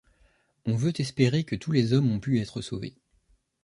On veut espérer que tous les hommes ont pu être sauvés.